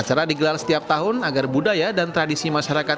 acara digelar setiap tahun agar budaya dan tradisi masyarakat